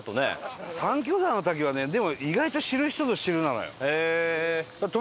三居澤の滝はねでも意外と知る人ぞ知るなのよ。